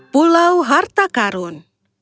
pulau harta karun